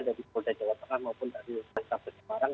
dari kodai jawa tengah maupun dari kabupaten semarang